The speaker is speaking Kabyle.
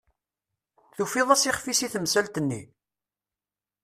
Tufiḍ-as ixf-is i temsalt-nni?